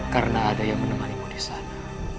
karena ada yang menemani mu disana